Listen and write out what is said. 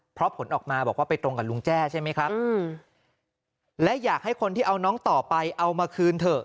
เพราะผลออกมาบอกว่าไปตรงกับลุงแจ้ใช่ไหมครับและอยากให้คนที่เอาน้องต่อไปเอามาคืนเถอะ